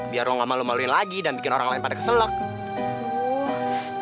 biar lo gak malu maluin lagi dan bikin orang lain pada keselek